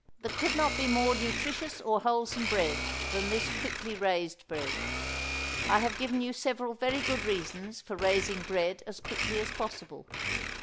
There could not be more nutritious or wholesome bread than this quickly raised bread. I have given you several very good reasons for raising bread as quickly as possible.